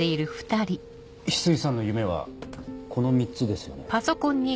翡翠さんの夢はこの３つですよね？